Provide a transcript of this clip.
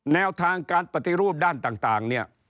แนวทางการปฏิรูปด้านต่าง